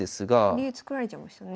竜作られちゃいましたね。